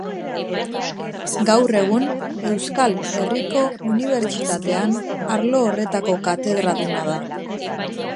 Gaur egun Euskal Herriko Unibertsitatean arlo horretako katedraduna da.